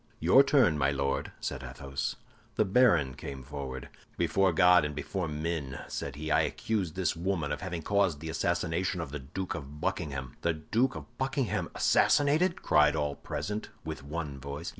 "Your turn, my Lord," said Athos. The baron came forward. "Before God and before men," said he, "I accuse this woman of having caused the assassination of the Duke of Buckingham." "The Duke of Buckingham assassinated!" cried all present, with one voice.